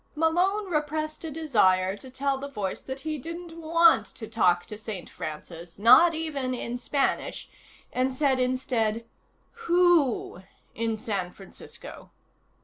Malone repressed a desire to tell the voice that he didn't want to talk to St. Francis, not even in Spanish, and said instead: "Who in San Francisco?"